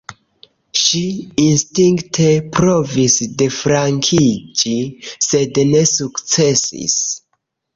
Ŝi instinkte provis deflankiĝi, sed ne sukcesis.